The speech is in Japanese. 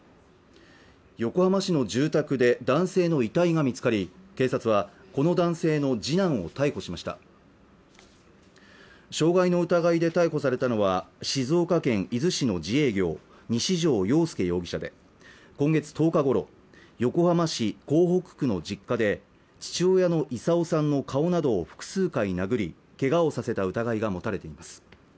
横浜市の住宅で男性の遺体が見つかり警察はこの男性の次男を逮捕しました傷害の疑いで逮捕されたのは静岡県伊豆市の自営業、西條洋介容疑者で今月１０日ごろ横浜市港北区の実家で父親の功さんの顔などを複数回殴りけがをさせた疑いが持たれています